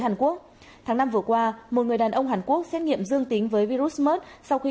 hàn quốc tháng năm vừa qua một người đàn ông hàn quốc xét nghiệm dương tính với virus mert sau khi